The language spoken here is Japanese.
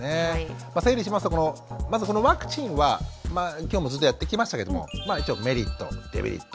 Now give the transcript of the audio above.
まあ整理しますとまずこのワクチンは今日もずっとやってきましたけどもまあ一応メリット・デメリット